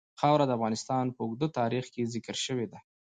خاوره د افغانستان په اوږده تاریخ کې ذکر شوې ده.